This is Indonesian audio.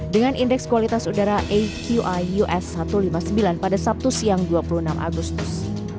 dengan indeks kualitas udara aqi us satu ratus lima puluh sembilan pada sabtu siang dua puluh enam agustus